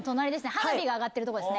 花火が上がってる所です。